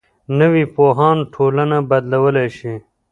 نوی پوهاند ټولنه بدلولی شي